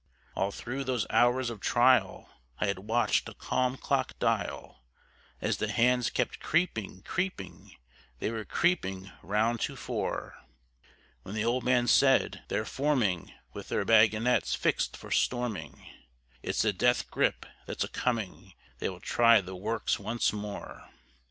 All through those hours of trial I had watched a calm clock dial, As the hands kept creeping, creeping, they were creeping round to four, When the old man said, "They're forming with their bagonets fixed for storming: It's the death grip that's a coming, they will try the works once more."